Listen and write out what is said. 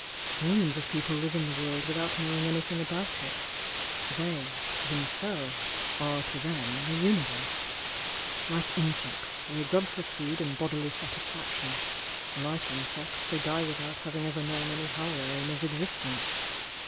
"Mil lions of people live in the world without knowing anything about it. They, — themselves, — are to them, the universe. Like insects, they grub for food and bodily satisfaction, — like insects, they die with out having ever known any higher aim of existence.